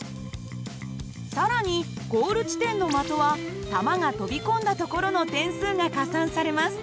更にゴール地点の的は玉が飛び込んだ所の点数が加算されます。